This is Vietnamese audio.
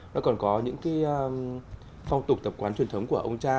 nó còn có những cái phong tục tập quán truyền thống của ông cha